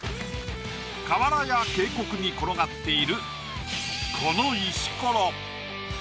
河原や渓谷に転がっているこの石ころ。